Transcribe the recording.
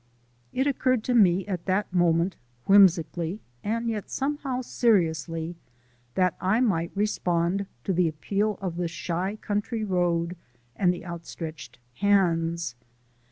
It occurred to me at that moment, whimsically and yet somehow seriously, that I might respond to the appeal of the shy country road and the outstretched hands.